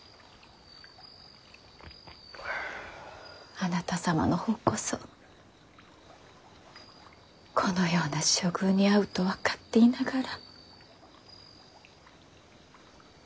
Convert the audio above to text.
あなた様の方こそこのような処遇に遭うと分かっていながら。